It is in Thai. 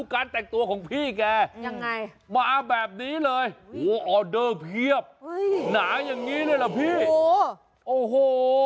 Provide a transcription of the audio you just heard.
การแต่งตัวของพี่แก่มาแบบนี้เลยโอเดอร์เพียบหนาอย่างนี้เลยเหรอพี่โอ้โห